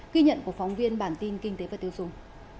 ghi nhận của phóng viên bản tin kinh tế và tiêu dùng